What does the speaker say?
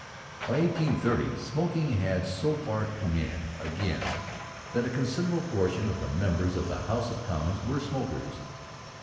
By 1830 smoking had so far "come in" again that a considerable proportion of the members of the House of Commons were smokers.